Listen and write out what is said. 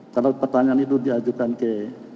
kalau pertanyaan itu diajukan ke